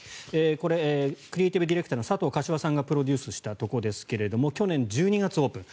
これクリエーティブディレクターの佐藤可士和さんがプロデュースしたところですが去年１２月オープン。